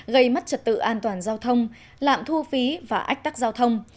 gây mất trật tự an toàn giao thông lạm thu phí và ách tắc giao thông